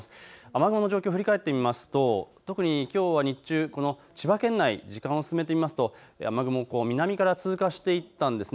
雨雲の状況を振り返ってみますと特にきょうは日中、千葉県内時間を進めてみますと雨雲が南から通過していったんです。